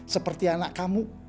seperti anak kamu